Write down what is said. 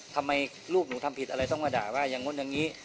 ทำไมลูกหนูทำผิดอะไรต้องมาด่าว่าอย่างนู้นอย่างนี้